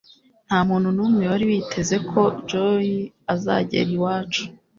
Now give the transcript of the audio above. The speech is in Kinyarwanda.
Ntamuntu numwe wari witeze ko joy azagera iwacu.